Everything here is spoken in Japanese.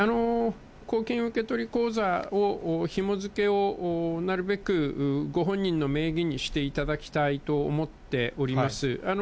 公金受取口座をひも付けを、なるべくご本人の名義にしていただきたいと思っております。